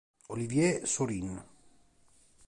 Olivier Sorin